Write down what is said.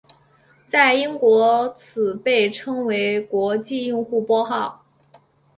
在英国此被称为国际用户拨号。